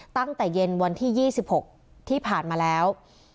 ตั้งแต่เย็นวันที่๒๖ที่ผ่านมาแล้ว